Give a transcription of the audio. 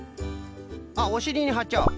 あっおしりにはっちゃう。